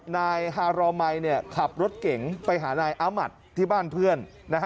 นายฮารอมัยขับรถเก๋งไปหานายอามัติที่บ้านเพื่อน